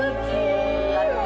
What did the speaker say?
oh nggak senang sih